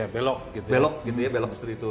belok gitu ya belok gitu ya belok seperti itu